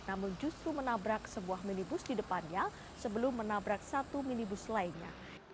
namun justru menabrak sebuah minibus di depannya sebelum menabrak satu minibus lainnya